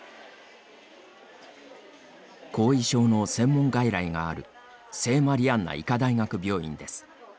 後遺症の専門外来がある聖マリアンナ医科大学病院です。